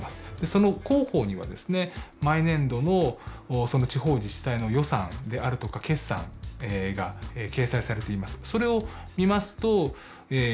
その広報にはですね毎年度の地方自治体の予算であるとか決算が掲載されています。